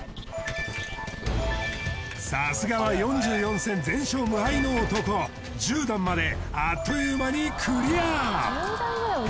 さすがは４４戦全勝無敗の男１０段まであっという間にクリア